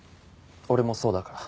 俺もそうだから。